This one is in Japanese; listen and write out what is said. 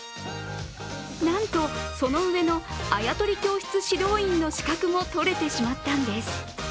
なんと、その上のあやとり教室指導員の資格も取れてしまったんです。